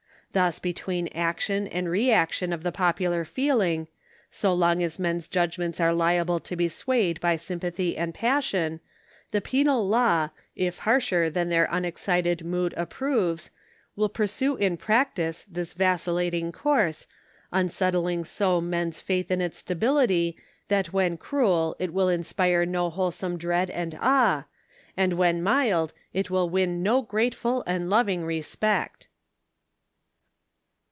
Thus between action and reaction of the popular feeling, so long as men's 6 68 judgments are liable to be swayed by sympathy and passion, the penal law, if harsher than their unexcited mood approves, will pursue in practice this vacillating course, unsettling so men's faith in its stability that when cruel it will inspire no wholesome dread and awe, and when mild it will win no grateful and lov ing respect.